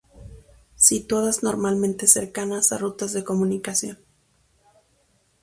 Situadas normalmente cercanas a rutas de comunicación.